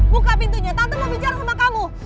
buka pintunya tante mau bicara sama kamu